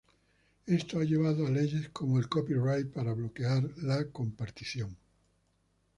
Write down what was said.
Esto ha llevado a leyes como el copyright para bloquear la compartición.